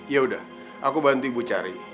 yaudah aku bantu ibu cari